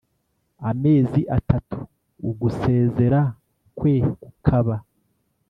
amezi atatu ugusezera kwe kukaba